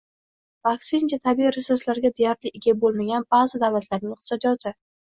Va, aksincha, tabiiy resurslarga deyarli ega bo‘lmagan ba’zi davlatlarning iqtisodiyoti